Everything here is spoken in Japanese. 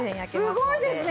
すごいですね。